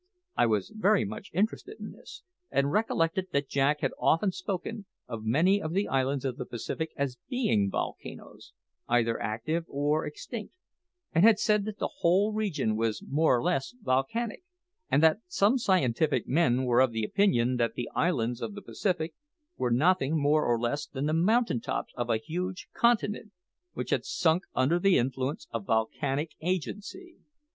I was much interested in this, and recollected that Jack had often spoken of many of the islands of the Pacific as being volcanoes, either active or extinct, and had said that the whole region was more or less volcanic, and that some scientific men were of opinion that the islands of the Pacific were nothing more or less than the mountain tops of a huge continent which had sunk under the influence of volcanic agency.